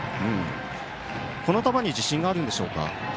この球に自信があるんでしょうか。